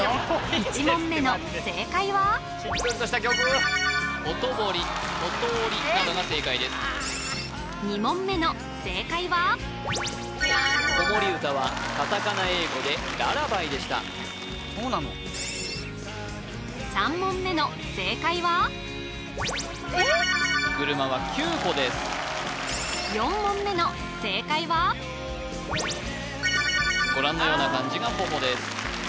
１問目の正解はしっとりとした曲２問目の正解は子守歌はカタカナ英語でララバイでしたそうなの３問目の正解は４問目の正解はご覧のような漢字が「ほほ」です